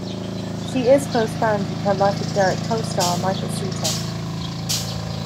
She is close friends with her "Life with Derek" co-star, Michael Seater.